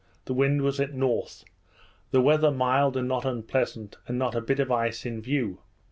the wind was at north; the weather mild and not unpleasant; and not a bit of ice in view.